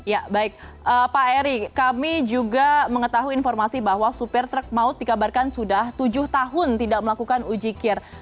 ya baik pak eri kami juga mengetahui informasi bahwa supir truk maut dikabarkan sudah tujuh tahun tidak melakukan ujikir